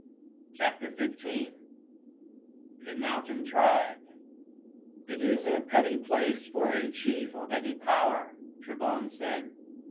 CHAPTER XV: A MOUNTAIN TRIBE "It is a petty place for a chief of any power," Trebon said.